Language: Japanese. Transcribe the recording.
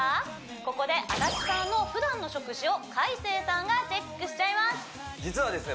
ここで足立さんのふだんの食事を海青さんがチェックしちゃいます実はですね